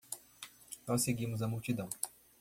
Nós seguimos a multidão